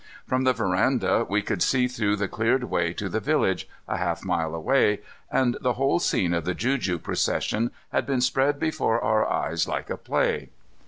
From the veranda we could see through the cleared way to the village, a half mile away, and the whole scene of the juju procession had been spread before our eyes like a play.